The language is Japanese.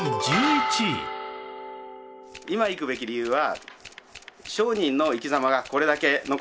今行くべき理由は。